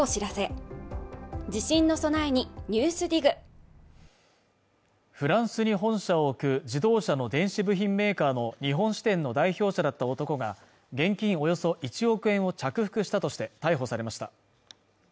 ニューアクアレーベルオールインワンフランスに本社を置く自動車の電子部品メーカーの日本支店の代表者だった男が現金およそ１億円を着服したとして逮捕されました